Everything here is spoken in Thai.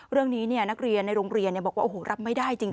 เรื่องนี้นักเรียนในโรงเรียนบอกว่ารับไม่ได้จริง